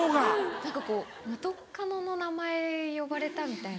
何かこう元カノの名前呼ばれたみたいな。